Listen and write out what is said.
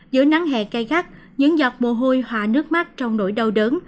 giữa nắng hè cay gắt những giọt mùa hôi hòa nước mắt trong nỗi đau đớn